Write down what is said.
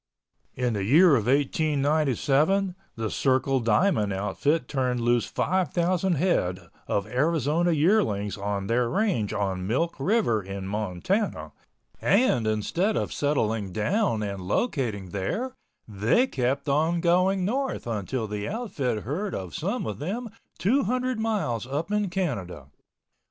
In the year of 1897 the Circle Diamond outfit turned loose 5,000 head of Arizona yearlings on their range on Milk River in Montana and instead of settling down and locating there they kept on going north until the outfit heard of some of them 200 miles up in Canada.